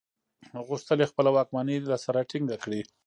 غوښتل یې خپله واکمني له سره ټینګه کړي.